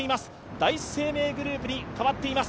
第一生命グループに変わっています。